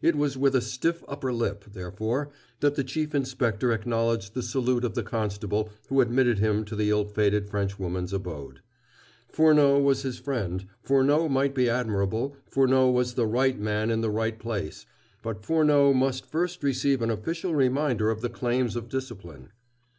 It was with a stiff upper lip, therefore, that the Chief Inspector acknowledged the salute of the constable who admitted him to the ill fated Frenchwoman's abode. Furneaux was his friend, Furneaux might be admirable, Furneaux was the right man in the right place, but Furneaux must first receive an official reminder of the claims of discipline.